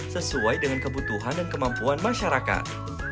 sesuai dengan kebutuhan dan kemampuan masyarakat